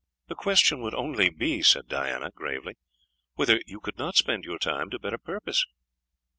"The question would only be," said Diana, gravely, "whether you could not spend your time to better purpose?"